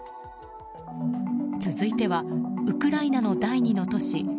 続いてはウクライナの第２の都市